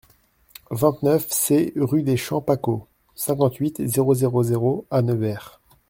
vingt-neuf C rue des Champs Pacaud, cinquante-huit, zéro zéro zéro à Nevers